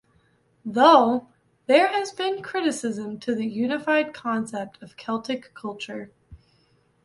Though, there has been criticism to the unified concept of Celtic culture.